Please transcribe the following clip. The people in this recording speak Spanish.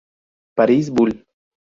Paris; Bull.